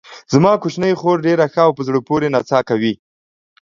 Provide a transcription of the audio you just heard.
زما کوچنۍ خور ډېره ښه او په زړه پورې نڅا کوي.